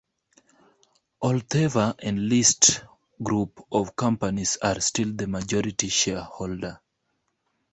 Ohlthaver and List Group of Companies are still the majority shareholder.